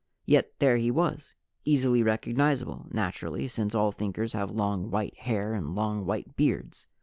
Yet there he was easily recognizable, naturally, since all Thinkers have long white hair and long white beards.